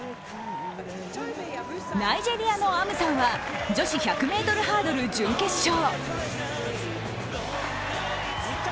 ナイジェリアのアムサンは女子１００ｍハードル準決勝。